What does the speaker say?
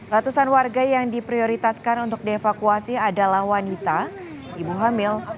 ratusan warga yang diprioritaskan untuk dievakuasi adalah wanita ibu hamil